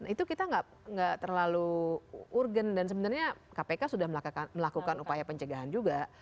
itu kita nggak terlalu urgen dan sebenarnya kpk sudah melakukan upaya pencegahan juga